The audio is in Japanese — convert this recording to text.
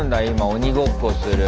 鬼ごっこする。